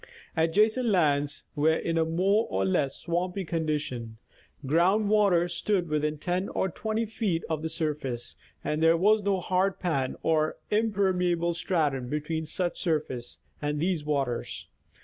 Adjacent lands were in a more or less swampy condition ; ground waters stood within 10 or 20 feet of the surface, and there was no hard pan or impermeable stratum between such surface and these waters.